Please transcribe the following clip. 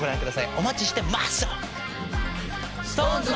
お待ちしてマッスル！ＳｉｘＴＯＮＥＳ